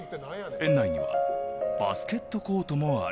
園内にはバスケットコートもある。